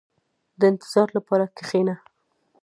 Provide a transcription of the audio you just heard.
• د انتظار لپاره کښېنه.